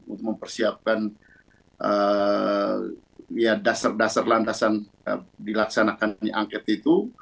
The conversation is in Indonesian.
untuk mempersiapkan dasar dasar landasan dilaksanakannya angket itu